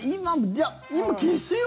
今、消すよ。